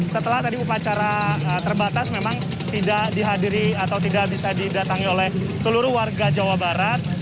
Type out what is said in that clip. setelah tadi upacara terbatas memang tidak dihadiri atau tidak bisa didatangi oleh seluruh warga jawa barat